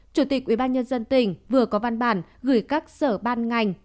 chủ tịch ubnd tỉnh vừa có văn bản gửi các sở ban ngành